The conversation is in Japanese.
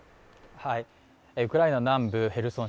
ウクライナ南部ヘルソン